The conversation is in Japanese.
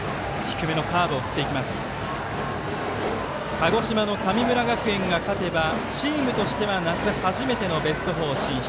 鹿児島の神村学園が勝てばチームとしては夏初めてのベスト４進出。